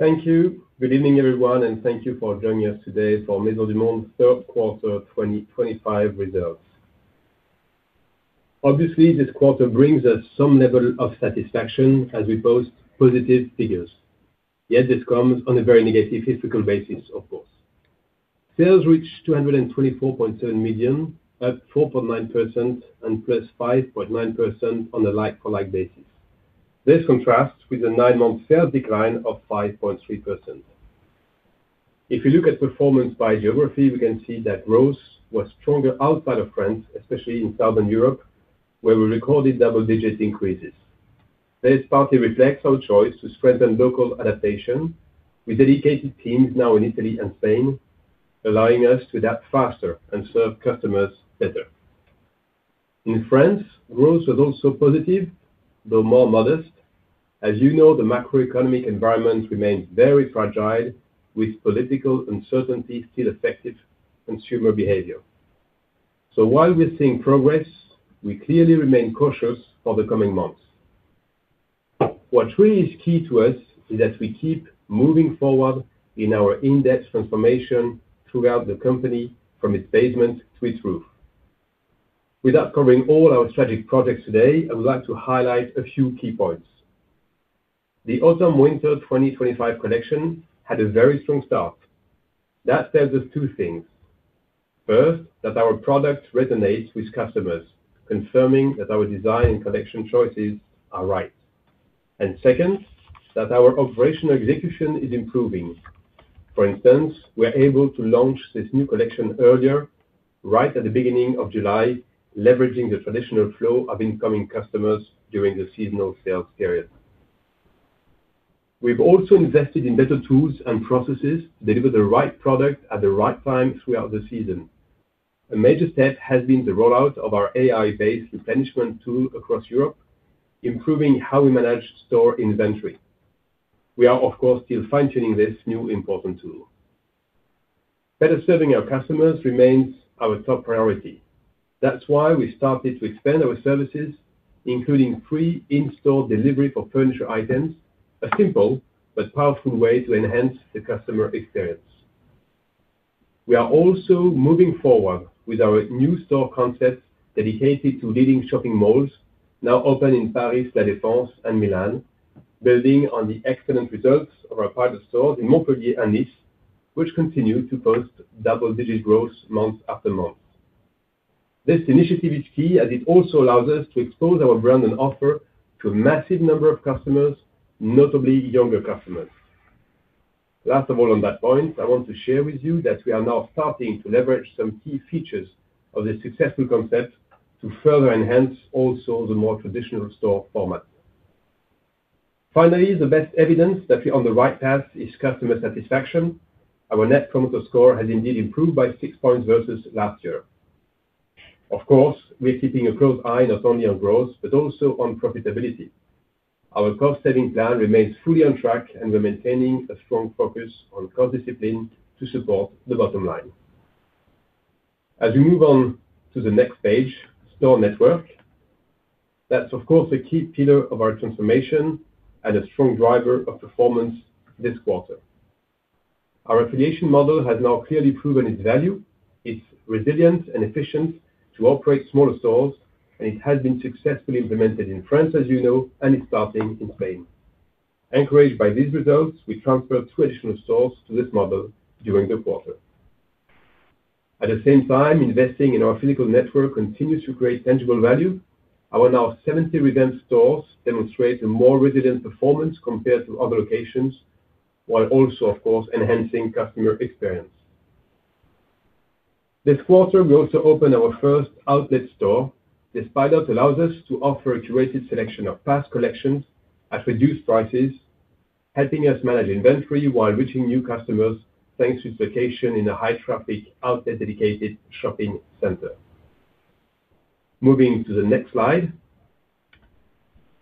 Thank you. Good evening, everyone, and thank you for joining us today for Maisons du Monde's third quarter 2025 results. Obviously, this quarter brings us some level of satisfaction as we post positive figures. Yet, this comes on a very negative historical basis, of course. Sales reached 224.7 million, up 4.9%, and +5.9% on a like-for-like basis. This contrasts with a nine-month sales decline of 5.3%. If you look at performance by geography, we can see that growth was stronger outside of France, especially in Southern Europe, where we recorded double-digit increases. This partly reflects our choice to strengthen local adaptation with dedicated teams now in Italy and Spain, allowing us to adapt faster and serve customers better. In France, growth was also positive, though more modest. As you know, the macroeconomic environment remains very fragile, with political uncertainty still affecting consumer behavior. While we're seeing progress, we clearly remain cautious for the coming months. What really is key to us is that we keep moving forward in our in-depth transformation throughout the company, from its basement to its roof. Without covering all our strategic projects today, I would like to highlight a few key points. The autumn-winter 2025 collection had a very strong start. That tells us two things. First, that our product resonates with customers, confirming that our design and collection choices are right. Second, that our operational execution is improving. For instance, we're able to launch this new collection earlier, right at the beginning of July, leveraging the traditional flow of incoming customers during the seasonal sales period. We've also invested in better tools and processes to deliver the right product at the right time throughout the season. A major step has been the rollout of our AI-based replenishment tool across Europe, improving how we manage store inventory. We are, of course, still fine-tuning this new important tool. Better serving our customers remains our top priority. That's why we started to expand our services, including free in-store delivery for furniture items, a simple but powerful way to enhance the customer experience. We are also moving forward with our new store concepts dedicated to leading shopping malls, now open in Paris La Défense and Milan, building on the excellent results of our pilot stores in Montpellier and Nice, which continue to post double-digit growth month after month. This initiative is key as it also allows us to expose our brand and offer to a massive number of customers, notably younger customers. Last of all, on that point, I want to share with you that we are now starting to leverage some key features of this successful concept to further enhance also the more traditional store format. Finally, the best evidence that we're on the right path is customer satisfaction. Our Net Promoter Score has indeed improved by six points versus last year. Of course, we're keeping a close eye not only on growth but also on profitability. Our cost-saving plan remains fully on track, and we're maintaining a strong focus on cost discipline to support the bottom line. As we move on to the next page, store network, that's, of course, a key pillar of our transformation and a strong driver of performance this quarter. Our affiliation model has now clearly proven its value. It's resilient and efficient to operate smaller stores, and it has been successfully implemented in France, as you know, and is starting in Spain. Encouraged by these results, we transferred two additional stores to this model during the quarter. At the same time, investing in our physical network continues to create tangible value. Our now 70 revamped stores demonstrate a more resilient performance compared to other locations, while also, of course, enhancing customer experience. This quarter, we also opened our first outlet store. This pilot allows us to offer a curated selection of past collections at reduced prices, helping us manage inventory while reaching new customers thanks to its location in a high-traffic outlet-dedicated shopping center. Moving to the next slide.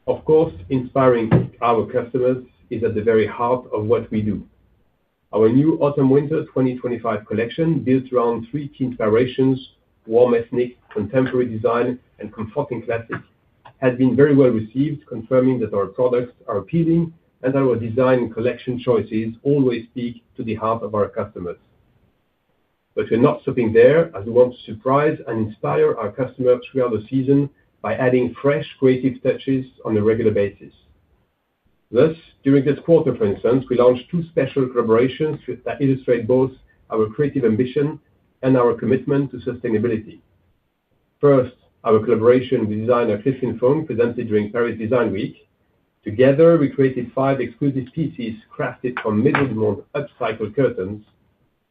Of course, inspiring our customers is at the very heart of what we do. Our new autumn-winter 2025 collection, built around three key inspirations: warm ethnic, contemporary design, and comforting classic, has been very well received, confirming that our products are appealing and that our design and collection choices always speak to the heart of our customers. We're not stopping there, as we want to surprise and inspire our customers throughout the season by adding fresh, creative touches on a regular basis. Thus, during this quarter, for instance, we launched two special collaborations that illustrate both our creative ambition and our commitment to sustainability. First, our collaboration with designer Cliff & Foam, presented during Paris Design Week. Together, we created five exclusive pieces crafted from Maisons du Monde upcycled curtains,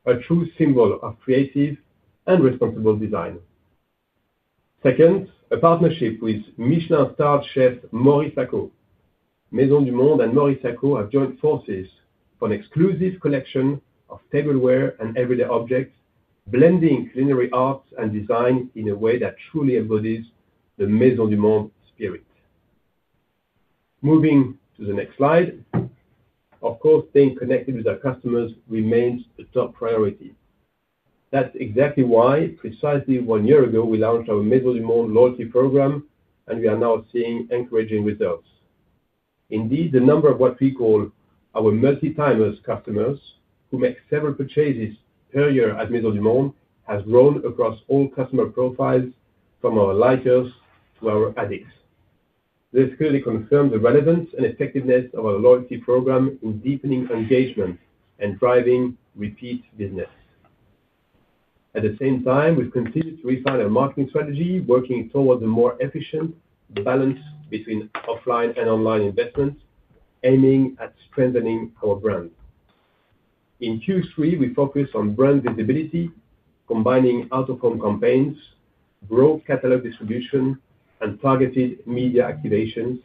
a true symbol of creative and responsible design. Second, a partnership with Michelin-starred Chef Maurice Lacau. Maisons du Monde and Maurice Lacau have joined forces for an exclusive collection of tableware and everyday objects, blending culinary arts and design in a way that truly embodies the Maisons du Monde spirit. Moving to the next slide. Of course, staying connected with our customers remains a top priority. That's exactly why, precisely one year ago, we launched our Maisons du Monde loyalty program, and we are now seeing encouraging results. Indeed, the number of what we call our multi-timers customers, who make several purchases per year at Maisons du Monde, has grown across all customer profiles, from our likers to our addicts. This clearly confirms the relevance and effectiveness of our loyalty program in deepening engagement and driving repeat business. At the same time, we've continued to refine our marketing strategy, working towards a more efficient balance between offline and online investments, aiming at strengthening our brand. In Q3, we focused on brand visibility, combining out-of-home campaigns, broad catalog distribution, and targeted media activations,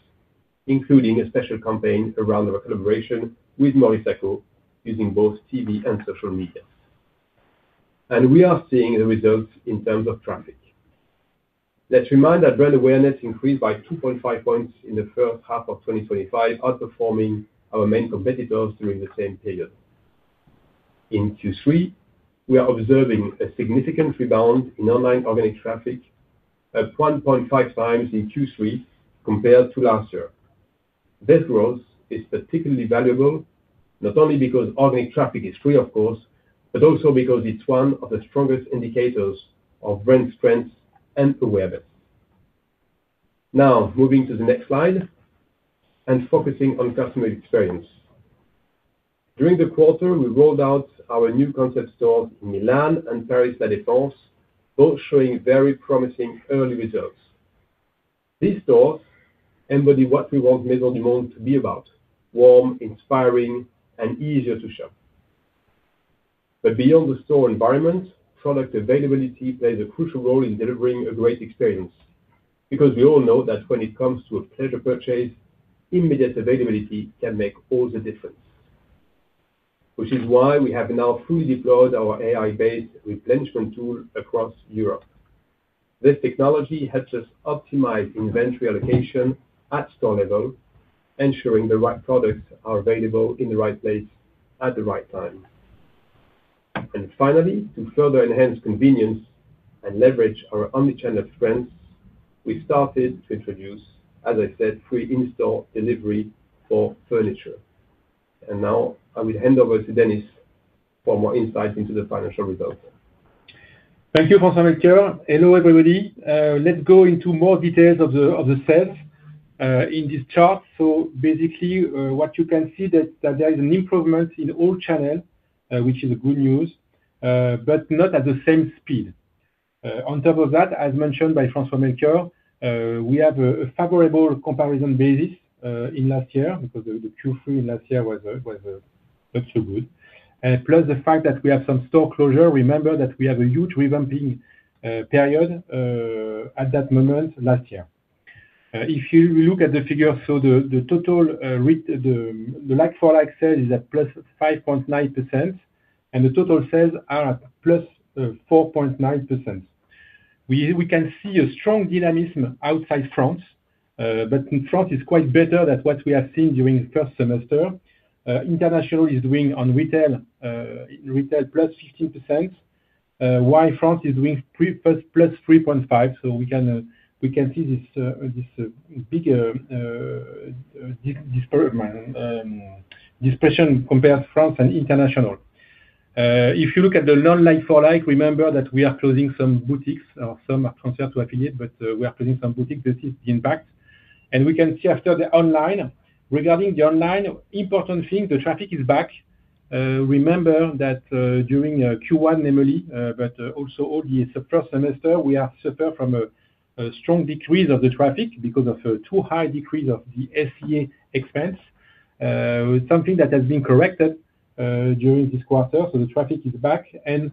including a special campaign around our collaboration with Maurice Lacau using both TV and social media. We are seeing the results in terms of traffic. Let's remind that brand awareness increased by 2.5 points in the first half of 2025, outperforming our main competitors during the same period. In Q3, we are observing a significant rebound in online organic traffic, up 1.5x in Q3 compared to last year. This growth is particularly valuable, not only because organic traffic is free, of course, but also because it's one of the strongest indicators of brand strength and awareness. Now, moving to the next slide and focusing on customer experience. During the quarter, we rolled out our new concept stores in Milan and Paris La Défense, both showing very promising early results. These stores embody what we want Maisons du Monde to be about: warm, inspiring, and easier to shop. Beyond the store environment, product availability plays a crucial role in delivering a great experience because we all know that when it comes to a pleasure purchase, immediate availability can make all the difference, which is why we have now fully deployed our AI-based replenishment tool across Europe. This technology helps us optimize inventory allocation at store level, ensuring the right products are available in the right place at the right time. Finally, to further enhance convenience and leverage our omnichannel strengths, we've started to introduce, as I said, free in-store delivery for furniture. Now, I will hand over to Denis for more insights into the financial results. Thank you, François. Hello, everybody. Let's go into more details of the sales in this chart. Basically, what you can see is that there is an improvement in all channels, which is good news, but not at the same speed. On top of that, as mentioned by François-Melchior, we have a favorable comparison basis in last year because the Q3 in last year was not so good. Plus, the fact that we have some store closure. Remember that we have a huge revamping period at that moment last year. If you look at the figures, the total read, the like-for-like sales is at +5.9%, and the total sales are at +4.9%. We can see a strong dynamism outside France, but in France, it's quite better than what we have seen during the first semester. International is doing on retail +5%, while France is doing +3.5%. We can see this big dispersion compared to France and international. If you look at the non-like-for-like, remember that we are closing some boutiques. Some are transferred to affiliates, but we are closing some boutiques. This is the impact. We can see after the online. Regarding the online, important thing, the traffic is back. Remember that during Q1, Emily, but also all the first semester, we suffered from a strong decrease of the traffic because of a too high decrease of the SEA expense, something that has been corrected during this quarter. The traffic is back, and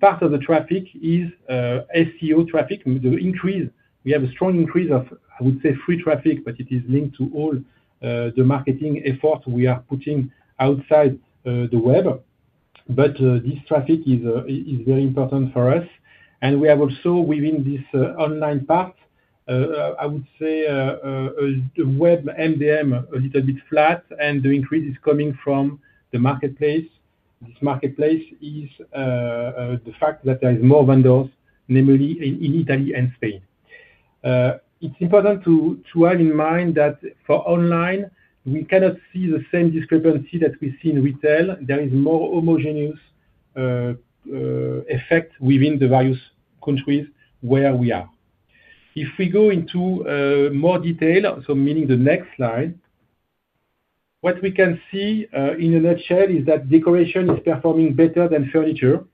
part of the traffic is SEO traffic. The increase, we have a strong increase of, I would say, free traffic, but it is linked to all the marketing efforts we are putting outside the web. This traffic is very important for us. We have also, within this online part, I would say, the web MDM a little bit flat, and the increase is coming from the marketplace. This marketplace is the fact that there are more vendors, namely in Italy and Spain. It's important to have in mind that for online, we cannot see the same discrepancy that we see in retail. There is more homogeneous effect within the various countries where we are. If we go into more detail, meaning the next slide, what we can see in a nutshell is that decoration is performing better than furniture,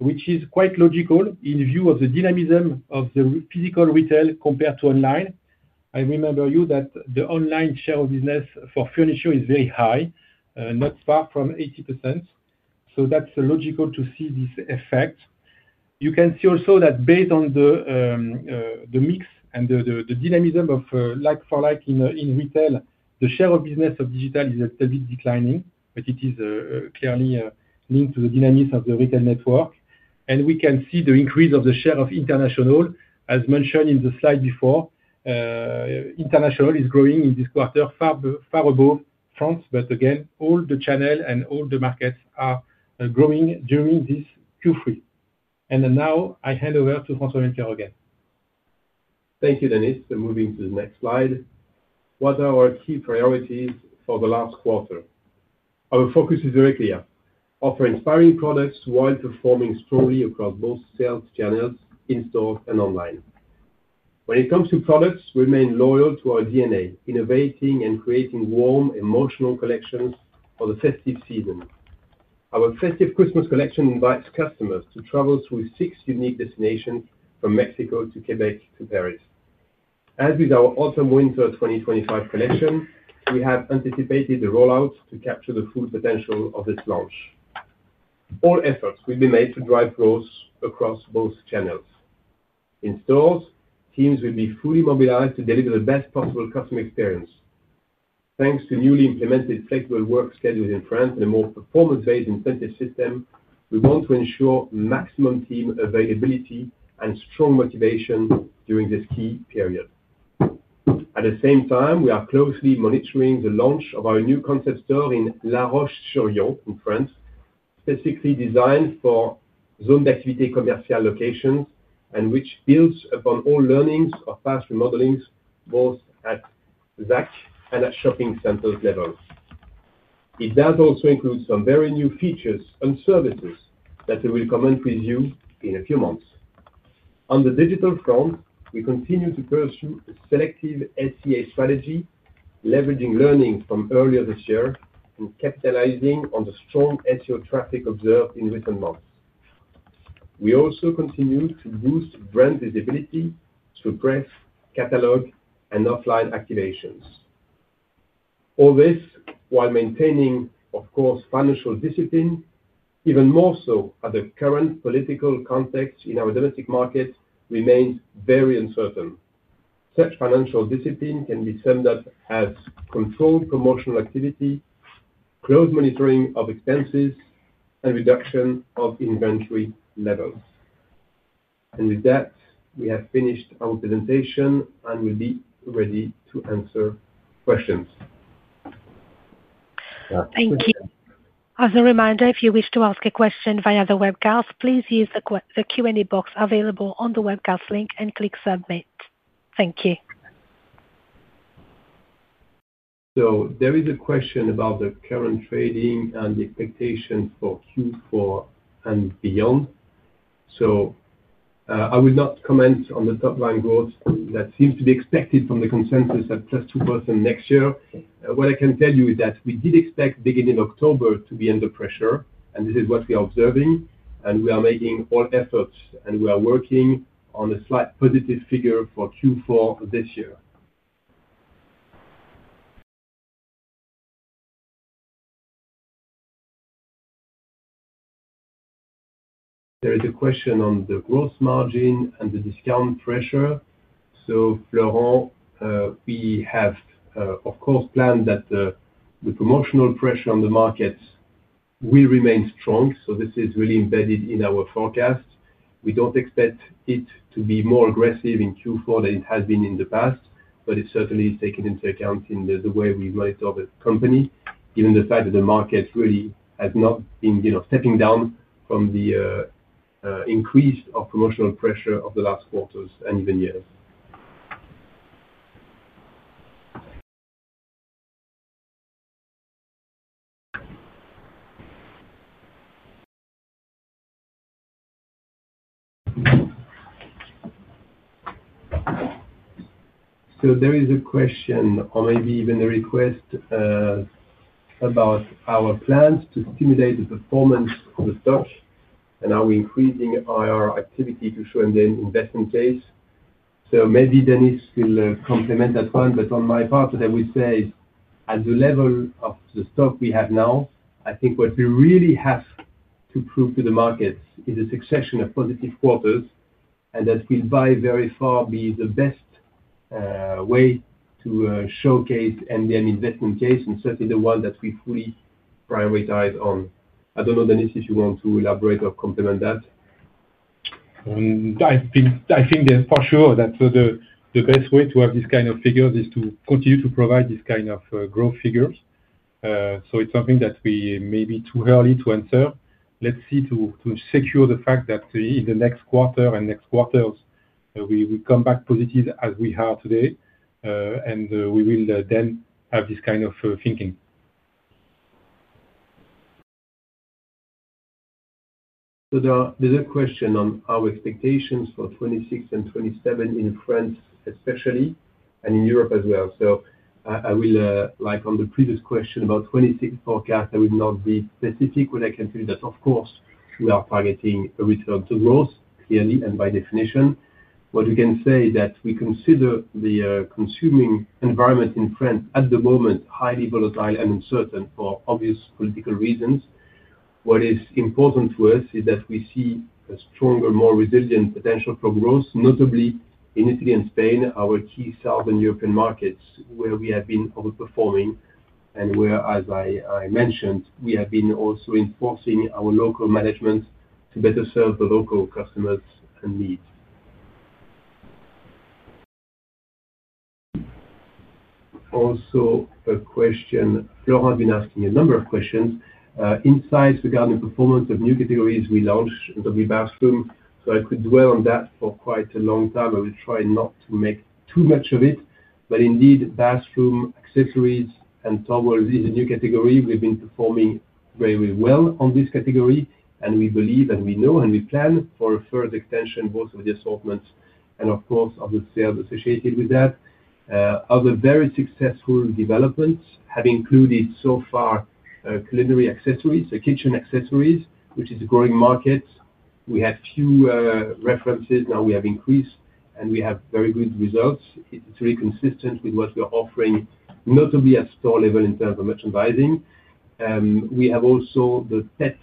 which is quite logical in view of the dynamism of the physical retail compared to online. I remember you that the online share of business for furniture is very high, not far from 80%. That's logical to see this effect. You can see also that based on the mix and the dynamism of like-for-like in retail, the share of business of digital is a little bit declining, but it is clearly linked to the dynamism of the retail network. We can see the increase of the share of international, as mentioned in the slide before. International is growing in this quarter, far above France. All the channels and all the markets are growing during this Q3. Now, I hand over to François-Melchior again. Thank you, Denis. Moving to the next slide. What are our key priorities for the last quarter? Our focus is very clear: offer inspiring products while performing strongly across both sales channels, in-store and online. When it comes to products, we remain loyal to our DNA, innovating and creating warm, emotional collections for the festive season. Our festive Christmas collection invites customers to travel through six unique destinations, from Mexico to Quebec to Paris. As with our autumn-winter 2025 collection, we have anticipated the rollout to capture the full potential of this launch. All efforts will be made to drive growth across both channels. In stores, teams will be fully mobilized to deliver the best possible customer experience. Thanks to newly implemented flexible work schedules in France and a more performance-based incentive system, we want to ensure maximum team availability and strong motivation during this key period. At the same time, we are closely monitoring the launch of our new concept store in La Roche-sur-Yon in France, specifically designed for zone d'activité commerciale locations and which builds upon all learnings of past remodelings, both at ZACH and at shopping center levels. It also includes some very new features and services that we will comment with you in a few months. On the digital front, we continue to pursue a selective SEA strategy, leveraging learnings from earlier this year and capitalizing on the strong SEO traffic observed in recent months. We also continue to boost brand visibility through press, catalog, and offline activations. All this while maintaining, of course, financial discipline, even more so as the current political context in our domestic market remains very uncertain. Such financial discipline can be summed up as controlled promotional activity, close monitoring of expenses, and reduction of inventory levels. With that, we have finished our presentation and will be ready to answer questions. Thank you. As a reminder, if you wish to ask a question via the webcast, please use the Q&A box available on the webcast link and click submit. Thank you. There is a question about the current trading and the expectations for Q4 and beyond. I will not comment on the top-line growth that seems to be expected from the consensus at +2% next year. What I can tell you is that we did expect the beginning of October to be under pressure, and this is what we are observing. We are making all efforts, and we are working on a slight positive figure for Q4 this year. There is a question on the gross margin and the discount pressure. Florian, we have, of course, planned that the promotional pressure on the market will remain strong. This is really embedded in our forecast. We don't expect it to be more aggressive in Q4 than it has been in the past, but it certainly is taken into account in the way we monitor the company, given the fact that the market really has not been stepping down from the increase of promotional pressure of the last quarters and even years. There is a question, or maybe even a request, about our plans to stimulate the performance of the stock and are we increasing our activity to show them the investment case. Maybe Denis will complement that one. On my part, what I would say is, at the level of the stock we have now, I think what we really have to prove to the market is a succession of positive quarters and that will by very far be the best way to showcase the Monde investment case and certainly the one that we fully prioritize on. I don't know, Denis, if you want to elaborate or complement that. I think that for sure the best way to have this kind of figure is to continue to provide this kind of growth figures. It's something that may be too early to answer. Let's see to secure the fact that in the next quarter and next quarters, we will come back positive as we are today, and we will then have this kind of thinking. There is a question on our expectations for 2026 and 2027 in France especially, and in Europe as well. Like on the previous question about 2026 forecast, I will not be specific. What I can tell you is that, of course, we are targeting a return to growth clearly and by definition. What we can say is that we consider the consuming environment in France at the moment highly volatile and uncertain for obvious political reasons. What is important to us is that we see a stronger, more resilient potential for growth, notably in Italy and Spain, our key Southern European markets where we have been overperforming and where, as I mentioned, we have been also enforcing our local management to better serve the local customers and needs. Also, a question. Florian has been asking a number of questions. Insights regarding the performance of new categories we launched in the bathroom. I could dwell on that for quite a long time. I will try not to make too much of it. Indeed, bathroom essentials and towels is a new category. We've been performing very, very well on this category, and we believe, and we know, and we plan for a further extension of both of the assortments and, of course, of the sales associated with that. Other very successful developments have included so far culinary accessories, kitchen accessories, which is a growing market. We had few references. Now we have increased, and we have very good results. It's really consistent with what we are offering, notably at store level in terms of merchandising. We have also the pet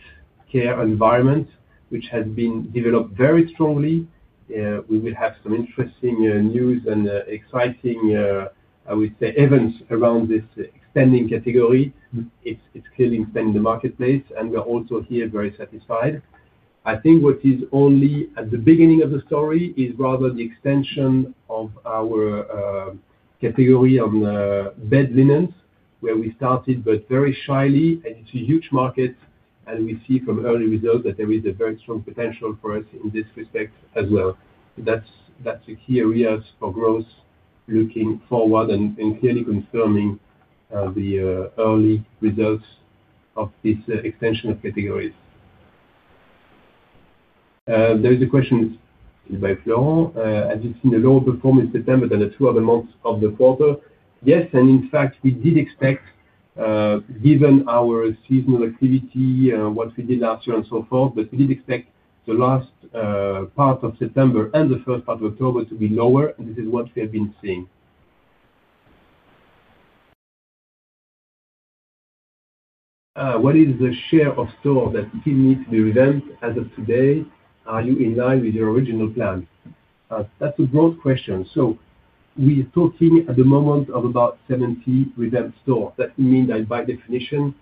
accessories environment, which has been developed very strongly. We will have some interesting news and exciting, I would say, events around this extending category. It's clearly expanding the marketplace, and we are also here very satisfied. I think what is only at the beginning of the story is rather the extension of our category on bed linens, where we started but very shyly. It's a huge market, and we see from early results that there is a very strong potential for us in this respect as well. That's the key areas for growth looking forward and clearly confirming the early results of this extension of categories. There is a question by Florian. Has it seen a lower performance in September than the two other months of the quarter? Yes, and in fact, we did expect, given our seasonal activity, what we did last year and so forth, but we did expect the last part of September and the first part of October to be lower, and this is what we have been seeing. What is the share of stores that still need to be revamped as of today? Are you in line with your original plan? That's a broad question. We are talking at the moment of about 70 revamped stores. That means that by definition,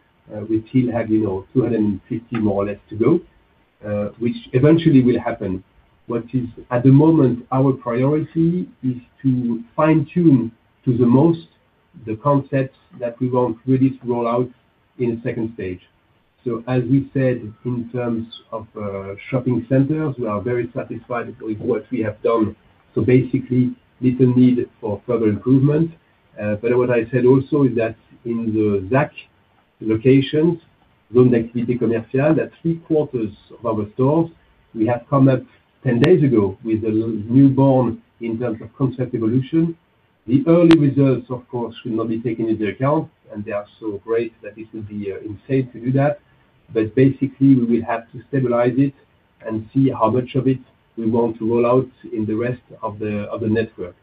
we still have 250 more or less to go, which eventually will happen. What is at the moment our priority is to fine-tune to the most the concepts that we want to really roll out in a second stage. As we said, in terms of shopping centers, we are very satisfied with what we have done. Basically, little need for further improvement. What I said also is that in the ZACH locations, zone d'activité commerciale, that three quarters of our stores, we have come up 10 days ago with a newborn in terms of concept evolution. The early results, of course, should not be taken into account, and they are so great that it would be insane to do that. We will have to stabilize it and see how much of it we want to roll out in the rest of the network.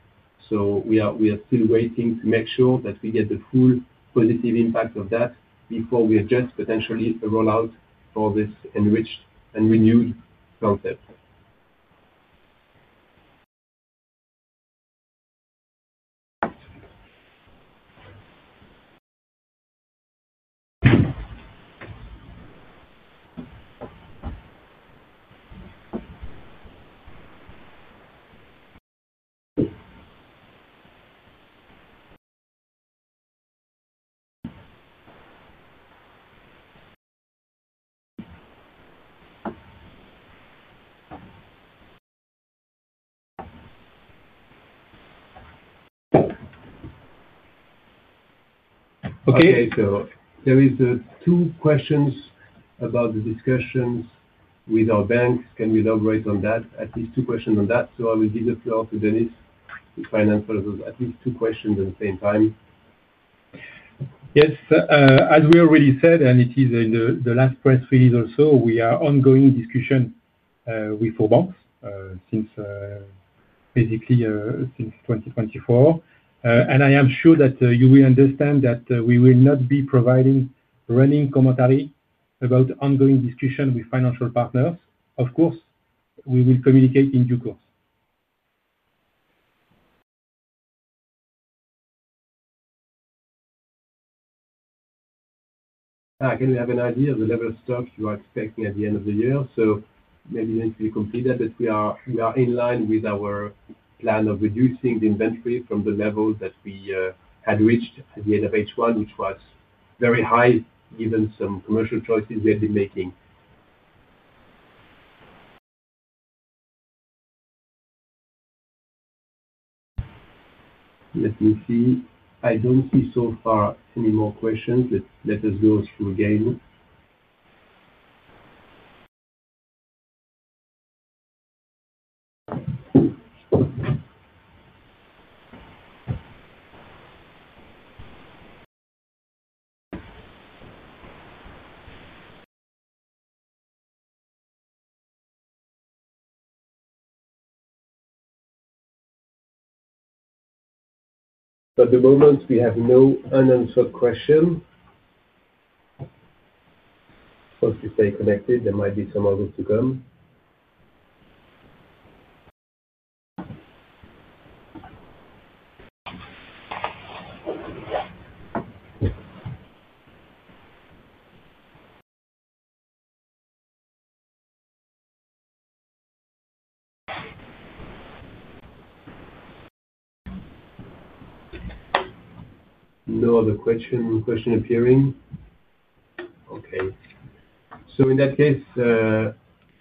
We are still waiting to make sure that we get the full positive impact of that before we adjust potentially a rollout for this enriched and renewed concept. There are two questions about the discussions with our banks. Can we elaborate on that, at least two questions on that? I will give the floor to Denis to finance those at least two questions at the same time. Yes. As we already said, and it is in the last press release also, we are in ongoing discussions with four banks basically since 2024. I am sure that you will understand that we will not be providing running commentary about ongoing discussions with financial partners. Of course, we will communicate in due course. Can we have an idea of the level of stocks you are expecting at the end of the year? Maybe Denis will complete that, but we are in line with our plan of reducing the inventory from the level that we had reached at the end of H1, which was very high, given some commercial choices we had been making. I don't see so far any more questions. Let us go through again. At the moment, we have no unanswered questions. Of course, we stay connected. There might be some others to come. No other question appearing. In that case,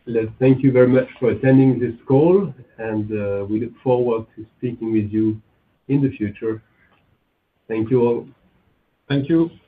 let's thank you very much for attending this call, and we look forward to speaking with you in the future. Thank you all. Thank you.